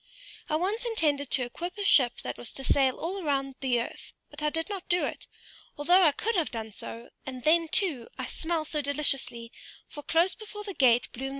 I once intended to equip a ship that was to sail all round the earth; but I did not do it, although I could have done so: and then, too, I smell so deliciously, for close before the gate bloom the most beautiful roses."